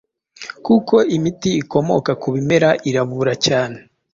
kuko imiti ikomoka ku bimera iravura cyane